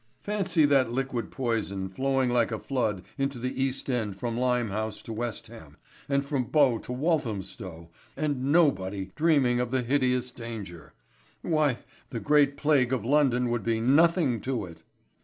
Fancy that liquid poison flowing like a flood into the Fast End from Limehouse to West Ham, and from Bow to Walthamstow, and nobody dreaming of the hideous danger! Why, the Great Plague of London would be nothing to it.